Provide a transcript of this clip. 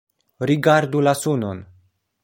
Rigardu la sunon!